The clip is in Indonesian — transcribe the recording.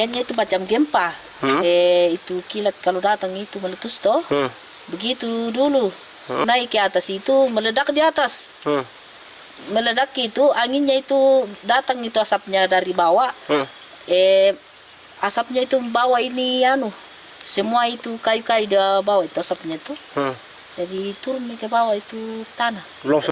naik ke atas itu meledak di atas meledak itu anginnya itu datang itu asapnya dari bawah asapnya itu membawa ini semua itu kayu kayu dibawa itu asapnya itu jadi turun ke bawah itu tanah